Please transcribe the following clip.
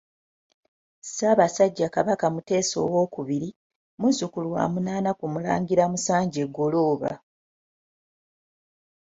Ssaabasajja Kabaka Mutesa II, muzzukulu wa munaana ku Mulangira Musanje Ggolooba.